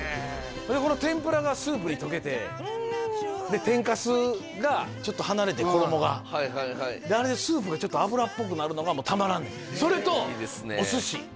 この天ぷらがスープに溶けて天かすがちょっと離れて衣がはいはいはいあれでスープがちょっと油っぽくなるのがもうたまらんねんそれとお寿司